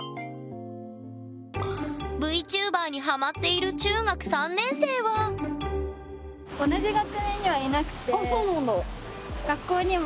ＶＴｕｂｅｒにハマっている中学３年生はあっそうなんだ。